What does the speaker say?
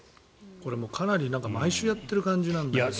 これ、かなり毎週やっている感じだよね。